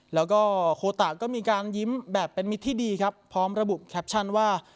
แล้วก็โคตะก็มีการยิ้มแบบเป็นมิตรที่ดีครับพร้อมระบุแคปชั่นว่า